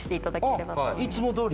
いつもどおり？